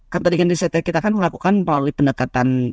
kan tadi kan disertai kita kan melakukan melalui pendekatan